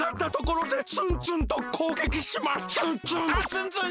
ツンツン！